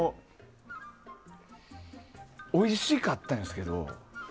おいしかったんですけど。